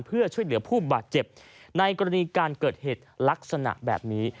เพื่อช่วยเหลือผู้บาดเจ็บในกรณีการเกิดเหตุลักษณะแบบนี้